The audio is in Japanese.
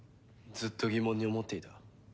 ずっと疑問に思っていた。